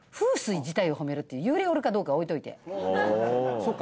そっか。